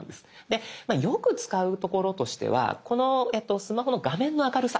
でよく使うところとしてはこのスマホの画面の明るさ。